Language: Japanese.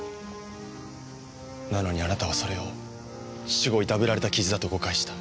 なのにあなたはそれを死後いたぶられた傷だと誤解した。